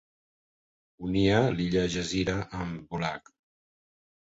Unia l'illa Gezira amb Bulaq.